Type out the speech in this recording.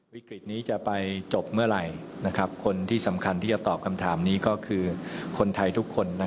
วิกฤตนี้จะไปจบเมื่อไหร่คนที่สำคัญที่จะตอบคำถามนี้ก็คือคนไทยทุกคน